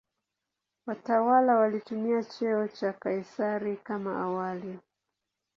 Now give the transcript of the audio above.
Watawala walitumia cheo cha "Kaisari" kama awali.